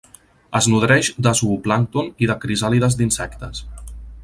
Es nodreix de zooplàncton i de crisàlides d'insectes.